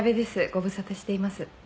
ご無沙汰しています。